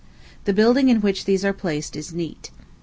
The building in which these are placed is neat.